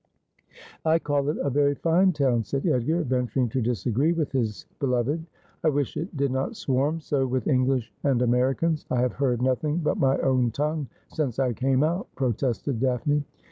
' I call it a very fine town,' said Edgar, venturing to disagree with his beloved. ' I wish it did not swarm so with English and Americans. I have heard nothing but my own tongue since I came out,' protested Daphne.